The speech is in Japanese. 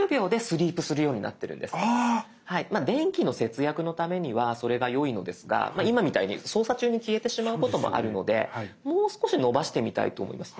まあ電気の節約のためにはそれがよいのですが今みたいに操作中に消えてしまうこともあるのでもう少し延ばしてみたいと思います。